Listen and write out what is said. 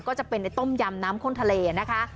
ก็จะเป็นในต้มยำน้ำข้นทะเลนะคะ